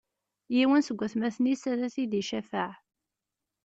Yiwen seg watmaten-is, ad t-id-icafeɛ.